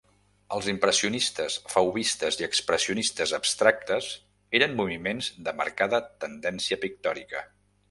Els impressionistes, fauvistes i expressionistes abstractes eren moviments de marcada tendència pictòrica.